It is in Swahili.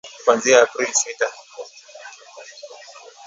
kuanzia Aprili sita